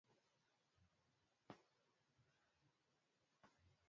kusiaga chakula na kuathiri vibaya ujauzito yaani uwezo mdogo wa